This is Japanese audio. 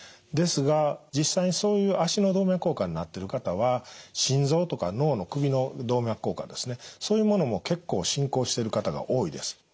ですが実際にそういう脚の動脈硬化になってる方は心臓とか脳の首の動脈硬化ですねそういうものも結構進行している方が多いです。